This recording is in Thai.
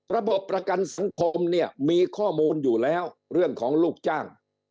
ประกันสังคมเนี่ยมีข้อมูลอยู่แล้วเรื่องของลูกจ้าง